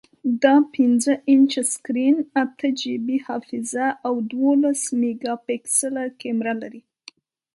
دا پنځه انچه سکرین، اته جی بی حافظه، او دولس میګاپکسله کیمره لري.